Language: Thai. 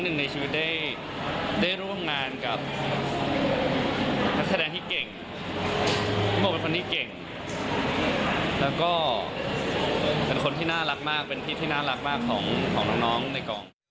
เป็นพี่ที่น่ารักมากของน้องในกล่อง